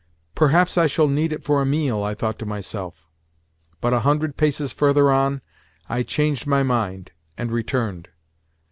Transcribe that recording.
"Perhaps I shall need it for a meal," I thought to myself; but a hundred paces further on, I changed my mind, and returned.